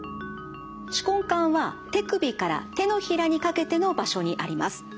手根管は手首から手のひらにかけての場所にあります。